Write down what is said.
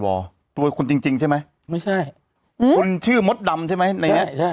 วอร์ตัวคุณจริงใช่ไหมไม่ใช่อืมคุณชื่อมดดำใช่ไหมใช่ใช่